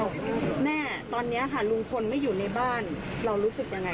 ว่าในบ้านเนี้ยไม่มีลุงคลอยู่เราในฐานะผู้เสียหาย